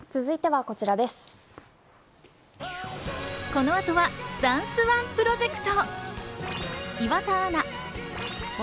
ここからはダンスＯＮＥプロジェクト。